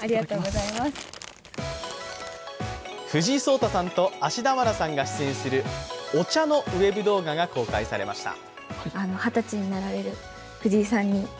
藤井聡太さんと芦田愛菜さんが出演する、お茶のＷＥＢ動画が公開されました。